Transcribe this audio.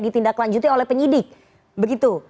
ditindaklanjuti oleh penyidik begitu